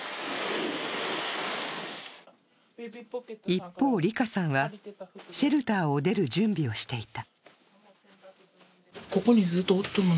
一方、りかさんはシェルターを出る準備をしていた。